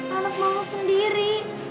anak mama sendiri